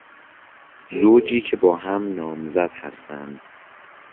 زوجی که با هم نامزد هستند